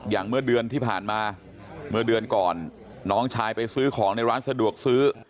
เมื่อเดือนที่ผ่านมาเมื่อเดือนก่อนน้องชายไปซื้อของในร้านสะดวกซื้อ